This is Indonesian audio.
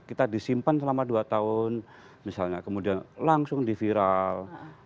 kita disimpan selama dua tahun misalnya kemudian langsung diviral